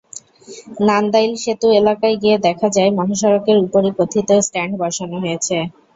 নান্দাইল সেতু এলাকায় গিয়ে দেখা যায়, মহাসড়কের ওপরই কথিত স্ট্যান্ড বসানো হয়েছে।